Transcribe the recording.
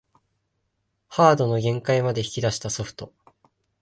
ハードの限界まで引き出したソフト